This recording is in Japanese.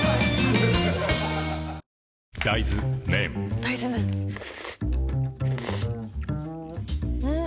大豆麺ん？